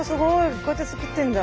こうやって作ってるんだ。